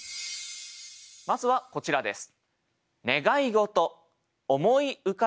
まずはこちらです。